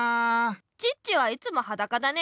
チッチはいつもはだかだね。